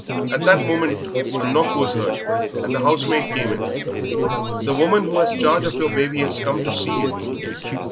At that moment a knock was heard and the housemaid came in. "The woman who has charge of your baby has come to see you."